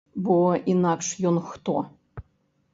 Бо інакш ён хто?